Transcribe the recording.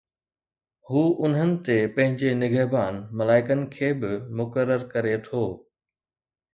هو انهن تي پنهنجي نگهبان ملائڪن کي به مقرر ڪري ٿو